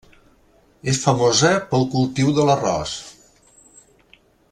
És famosa pel cultiu de l'arròs.